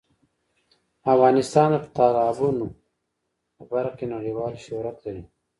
افغانستان د تالابونه په برخه کې نړیوال شهرت لري.